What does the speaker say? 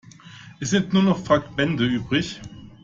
Es sind nur noch Fragmente übrig.